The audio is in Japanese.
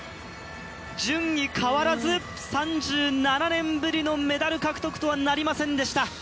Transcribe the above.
順位変わらず、３７年ぶりのメダル獲得とはなりませんでした。